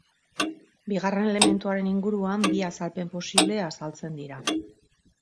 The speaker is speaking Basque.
Bigarren elementuaren inguruan bi azalpen posible azaltzen dira.